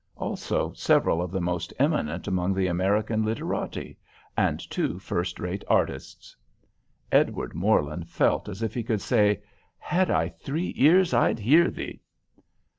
Also several of the most eminent among the American literati, and two first rate artists. Edward Morland felt as if he could say, "Had I three ears I'd hear thee."